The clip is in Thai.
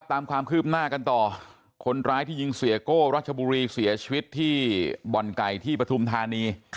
ตามความคืบหน้ากันต่อคนร้ายที่ยิงเสียโก้รัชบุรีเสียชีวิตที่บ่อนไก่ที่ปฐุมธานี